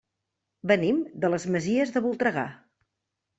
Venim de les Masies de Voltregà.